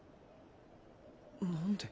何で。